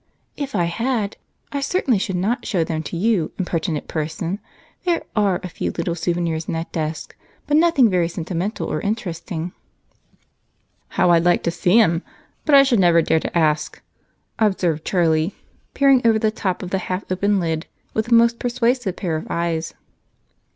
"If I had, I certainly should not show them to you, impertinent person! There are a few little souvenirs in that desk, but nothing very sentimental or interesting." "How I'd like to see 'em! But I should never dare to ask," observed Charlie, peering over the top of the half open lid with a most persuasive pair of eyes.